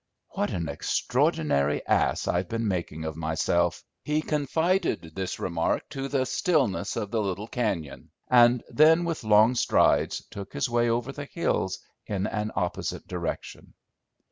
"What an extraordinary ass I've been making of myself!" He confided this remark to the stillness of the little cañon, and then, with long strides, took his way over the hills in an opposite direction.